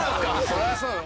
そりゃそうよ。